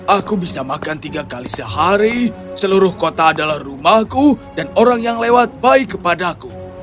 aku bisa makan tiga kali sehari seluruh kota adalah rumahku dan orang yang lewat baik kepadaku